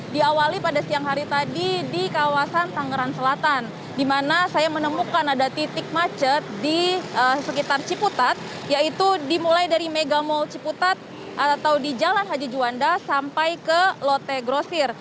diawali pada siang hari tadi di kawasan tangerang selatan di mana saya menemukan ada titik macet di sekitar ciputat yaitu dimulai dari mega mall ciputat atau di jalan haji juanda sampai ke lote grosir